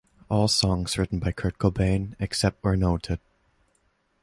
All songs written by Kurt Cobain, except where noted.